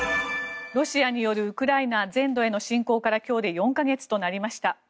ロシアによるウクライナ全土への侵攻から今日で４か月となりました。